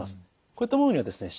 こういったものにはですね